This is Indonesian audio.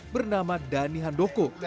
bernama dhani handoko